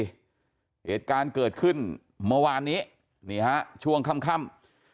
เหตุการณ์เกิดขึ้นเมื่อวานนี้นี่ฮะช่วงค่ำ